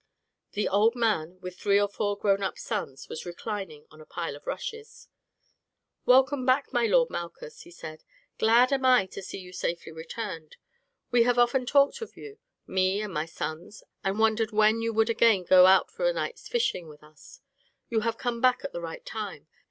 The old man, with three or four grownup sons, was reclining on a pile of rushes. "Welcome back, my lord Malchus," he said; "glad am I to see you safely returned. We have often talked of you, me and my sons, and wondered when you would again go out for a night's fishing with us. You have come back at the right time.